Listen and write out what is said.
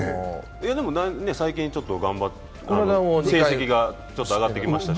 でも最近、ちょっと頑張って成績がちょっと上がってきましたし。